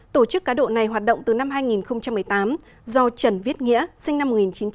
tổ chức cá độ này hoạt động từ năm hai nghìn một mươi tám do trần viết nghĩa sinh năm một nghìn chín trăm tám mươi